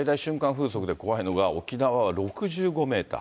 風速で怖いのが、沖縄は６５メーター。